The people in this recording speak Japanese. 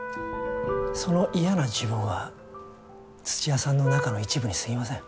その嫌な自分は土屋さんの中の一部にすぎません。